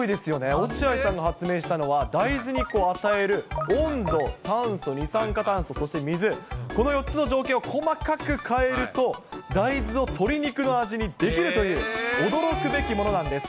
落合さんが発明したのは、大豆に与える温度、酸素、二酸化炭素、そして水、この４つの条件を細かく変えると、大豆を鶏肉の味にできるという驚くべきものなんです。